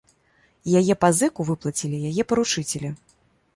І яе пазыку выплацілі яе паручыцелі.